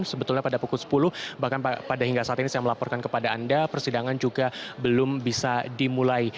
sebetulnya pada pukul sepuluh bahkan pada hingga saat ini saya melaporkan kepada anda persidangan juga belum bisa dimulai